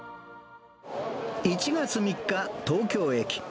１月３日、東京駅。